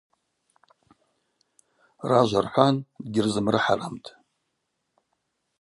Ражва рхӏван дгьырзымрыхӏарамтӏ.